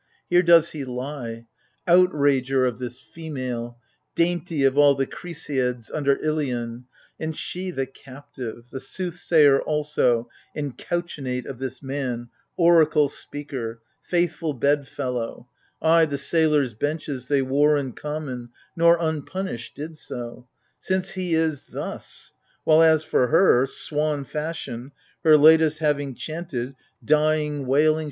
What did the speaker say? Here does he lie — outrager of this female, Dainty of all the Chruseids under Ilicn ; And she — the captive, the soothsayer also And couchmate of this man, oracle speaker, Faithful bed fellow, — ay, the sailors' benches They wore in common, nor unpunished did so. Since he is — thus ! While, as for her, — swan fashion, Her latest having chanted,— dying wailing 1 26 A GAME MNON.